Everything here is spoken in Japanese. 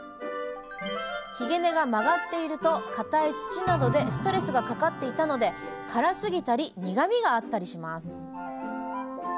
ひげ根が曲がっているとかたい土などでストレスがかかっていたので辛すぎたり苦みがあったりします。